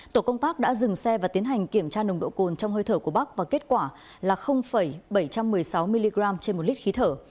tổ công tác đã dừng xe và tiến hành kiểm tra nồng độ cồn trong hơi thở của bắc và kết quả là bảy trăm một mươi sáu mg trên một lít khí thở